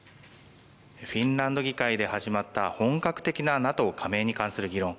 フィンランド議会で始まった本格的なＮＡＴＯ加盟に関する議論。